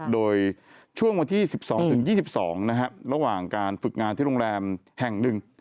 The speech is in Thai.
โดยช่วงวันที่๑๒๒ระหว่างการฝึกงานที่โรงแรมแห่งหนึ่ง